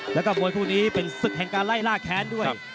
แล้วก็มวยคู่นี้เป็นศึกแห่งการไล่ล่าแค้นด้วย